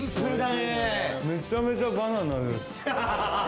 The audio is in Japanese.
めちゃめちゃバナナです。